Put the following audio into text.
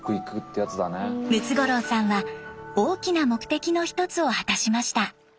ムツゴロウさんは大きな目的の一つを果たしました。